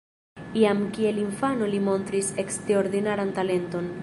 Jam kiel infano li montris eksterordinaran talenton.